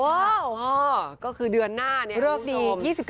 โอ้โหก็คือเดือนหน้าเนี่ยคุณผู้ชมเริ่มดี